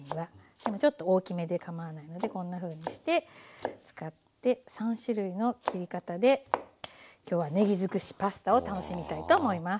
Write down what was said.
でもちょっと大きめでかまわないのでこんなふうにして使って３種類の切り方で今日はねぎづくしパスタを楽しみたいと思います。